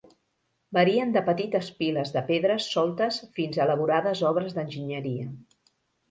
Varien de petites piles de pedres soltes fins a elaborades obres d'enginyeria.